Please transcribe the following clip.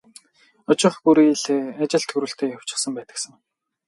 Очих бүрий л ажил төрөлтэй явчихсан байдаг сан.